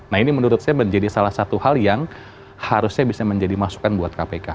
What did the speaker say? nah ini menurut saya menjadi salah satu hal yang harusnya bisa menjadi masukan buat kpk